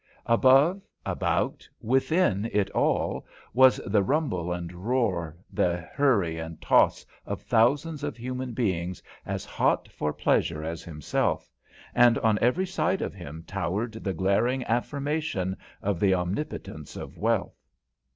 Above, about, within it all, was the rumble and roar, the hurry and toss of thousands of human beings as hot for pleasure as himself, and on every side of him towered the glaring affirmation of the omnipotence of wealth.